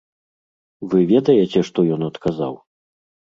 Вы ведаеце, што ён адказаў?